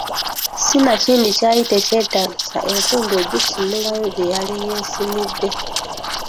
Sinakindi kyali kyetaagisa enkumbi okugisimulayo gye yali yeesimidde!